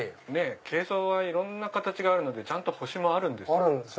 珪藻はいろんな形があるのでちゃんと星もあるんです。